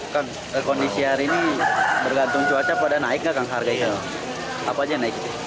kan kondisi hari ini bergantung cuaca pada naik gak kan harga ikan apa aja naik